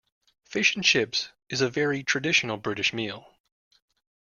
Fish and chips is a very traditional British meal